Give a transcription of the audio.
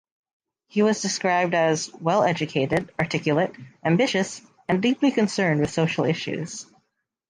He was described as, well-educated, articulate, ambitious, and deeply concerned with social issues.